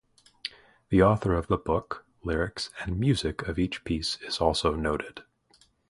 The author of the book, lyrics, and music of each piece is also noted.